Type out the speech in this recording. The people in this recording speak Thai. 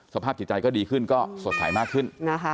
สภาพจิตใจก็ดีขึ้นก็สดใสมากขึ้นนะคะ